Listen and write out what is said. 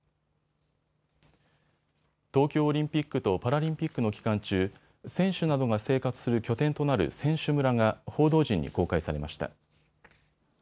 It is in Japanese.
東京オリンピックとパラリンピックの期間中、選手などが生活する拠点となる選手村が報道陣に公開されました。